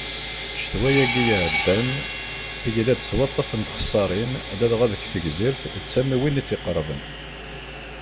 Ccetwa-agi iɛeddan, tegla-d s waṭas n txessaṛin ladɣa deg Tegzirt d tamiwin i tt-iqerben.